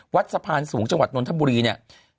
วัดสะพานสูงจังหวัดนทบุรีเนี่ย